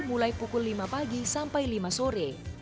mulai pukul lima pagi sampai lima sore